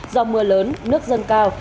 do mưa lớn nước dâng cao